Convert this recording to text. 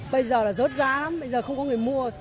bây giờ là rớt giá lắm bây giờ không có người mua